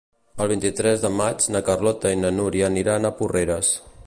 El vint-i-tres de maig na Carlota i na Núria aniran a Porreres.